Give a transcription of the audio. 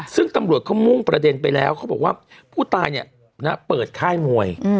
ซึ่งตำรวจเขามุ่งประเด็นไปแล้วเขาบอกว่าผู้ตายเปิดค่ายมวย